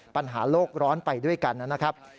ปัญหาโลกร้อนไปด้วยกันนะครับ